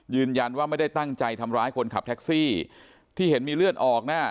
ยืนยันว่าไม่ได้ตั้งใจทำร้ายคนขับแท็กซี่ที่เห็นมีเลือดออกน่ะ